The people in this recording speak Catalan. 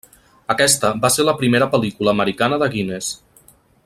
Aquesta va ser la primera pel·lícula americana de Guinness.